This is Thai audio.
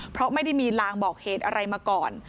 เพราะไม่ได้มีลางบอกเหตุอะไรมาก่อน